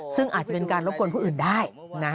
ซึ่งอาจจะเป็นการรบกวนผู้อื่นได้นะ